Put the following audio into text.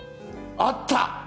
あった！